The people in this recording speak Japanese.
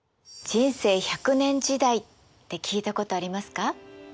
人生１００年時代って聞いたことありますか？